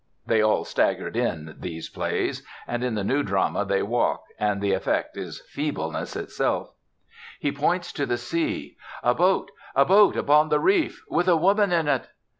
(They all staggered in these plays, and in the new drama they walk, and the effect is feebleness itself.) He points to the sea. "A boat! A boat upon the reef! With a woman in it."